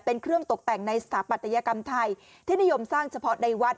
เป็นเครื่องตกแต่งในสถาปัตยกรรมไทยที่นิยมสร้างเฉพาะในวัด